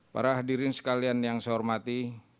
para hadirin sekalian yang saya hormati